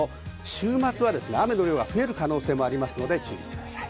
週末は雨の量が増える可能性がありますので注意してください。